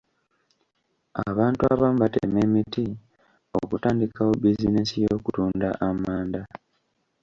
Abantu abamu batema emiti okutandikawo bizinensi y'okutunda amanda.